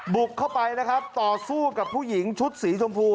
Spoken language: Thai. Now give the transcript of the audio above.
บุกเข้าไปนะครับต่อสู้กับผู้หญิงชุดสีชมพู